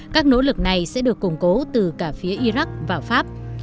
các nỗ lực này sẽ được củng cố từ cả phía iraq và pháp